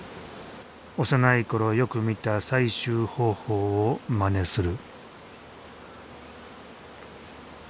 幼いころよく見た採集方法をまねする。